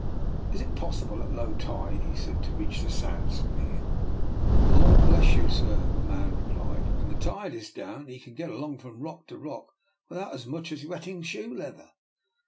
" Is it possible at low tide," he said, " to reach the sands from here? " Lor' bless you, yes, sir," the man replied. When the tide is down, 'ee can get along from rock to rock without as much as wetting shoe leather."